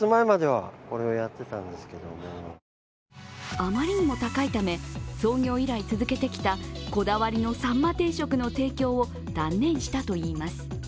あまりにも高いため、創業以来続けてきたこだわりの、さんま定食の提供を断念したといいます。